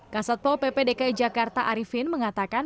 kasatpol pp dki jakarta arifin mengatakan